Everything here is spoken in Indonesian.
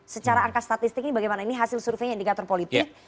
secara angka statistik ini bagaimana ini hasil survei indikator politik